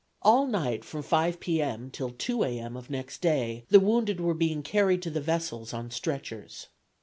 All night from 5 P. M. till 2 A. M. of next day the wounded were being carried to the vessel on stretchers.